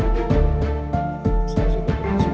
apa yang terjadi